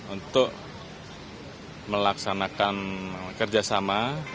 untuk melaksanakan kerjasama